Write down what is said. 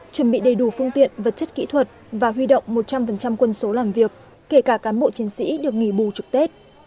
chuẩn bị đầy đủ phương tiện vật chất kỹ thuật và huy động một trăm linh quân số làm việc kể cả cán bộ chiến sĩ được nghỉ bù trực tết